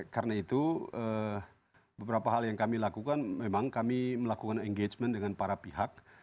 karena itu beberapa hal yang kami lakukan memang kami melakukan engagement dengan para pihak